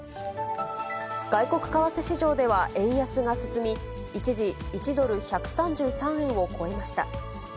外国為替市場では円安が進み、一時、１ドル１３３円を超えました。